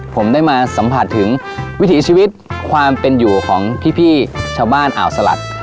ผมได้มาสัมผัสถึงวิถีชีวิตความเป็นอยู่ของพี่ชาวบ้านอ่าวสลัด